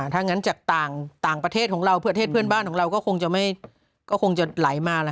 ถ้างั้นจากต่างประเทศของเราเพื่อประเทศเพื่อนบ้านของเราก็คงจะไหลมา